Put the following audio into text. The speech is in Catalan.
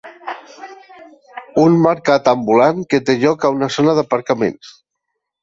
Un mercat ambulant que té lloc a una zona d'aparcaments.